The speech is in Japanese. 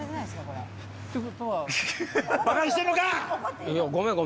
バカにしてんのか！